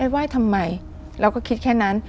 ไหว้ทำไมเราก็คิดแค่นั้น